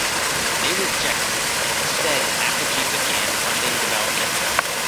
They rejected it and instead Apogee began funding development.